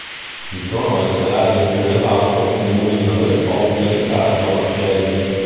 Di tono letterario più elevato è Il mulino del Po di Riccardo Bacchelli.